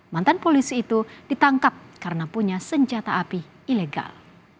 mantan polisi itu ditangkap karena punya senjata api ilegal